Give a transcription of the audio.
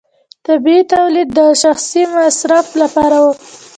طبیعي تولید د شخصي مصرف لپاره و.